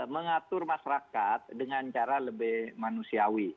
mengatur masyarakat dengan cara lebih manusiawi